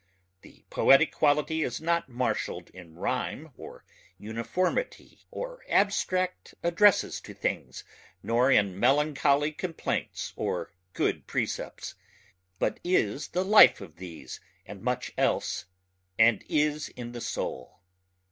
The poetic quality is not marshalled in rhyme or uniformity or abstract addresses to things nor in melancholy complaints or good precepts, but is the life of these and much else and is in the soul.